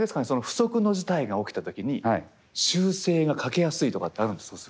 不測の事態が起きた時に修正がかけやすいとかってあるんですか？